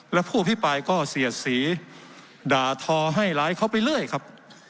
และผู้อภิปรายก็เสียดสีด่าทอให้ร้ายเขาไปเรื่อยครับ